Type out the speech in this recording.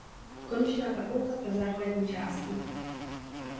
Konečná tabulka po základní části.